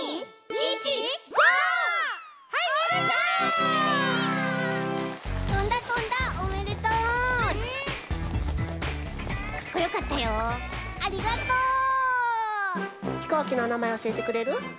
ひこうきのおなまえおしえてくれる？